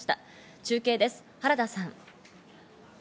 中継です、原田さん。